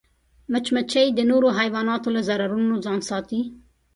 مچمچۍ د نورو حیواناتو له ضررونو ځان ساتي